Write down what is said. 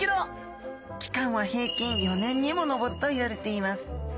期間は平均４年にも上るといわれています。